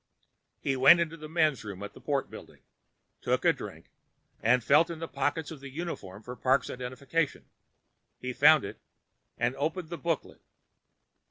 He went into the men's room at the Port Building, took a drink, and felt in the pockets of the uniform for Parks' identification. He found it and opened the booklet.